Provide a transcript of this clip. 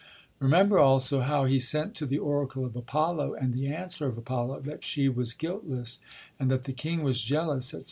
Remember also how he sent to the Oracle of Apollo, and the answer of Apollo, that she was guiltless, and that the king was jealous, &c.